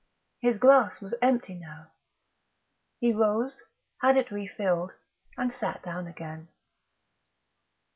His glass was empty now.... He rose, had it refilled, and sat down again.